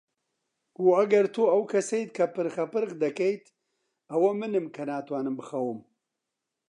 و ئەگەر تۆ ئەو کەسەیت کە پرخەپرخ دەکەیت، ئەوە منم کە ناتوانم بخەوم.